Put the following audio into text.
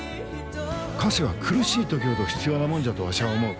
菓子は苦しい時ほど必要なもんじゃとわしゃあ思う。